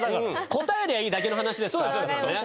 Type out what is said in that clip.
答えりゃいいだけの話ですから飛鳥さんね。